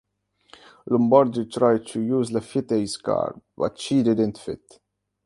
Lombardi tried to use Laffite's car, but she didn't fit.